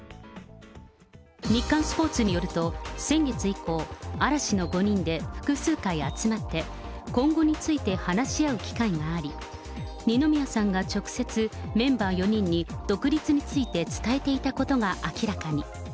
日刊スポーツによると、先月以降、嵐の５人で複数回集まって、今後について話し合う機会があり、二宮さんが直接、メンバー４人に、独立について伝えていたことが明らかに。